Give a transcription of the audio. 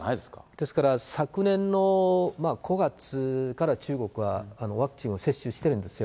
ですから、昨年の５月から中国はワクチンを接種してるんですよ。